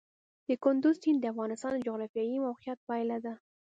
کندز سیند د افغانستان د جغرافیایي موقیعت پایله ده.